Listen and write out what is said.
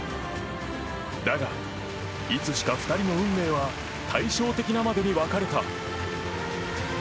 だが、いつしか２人の運命は対照的なまでに別れた。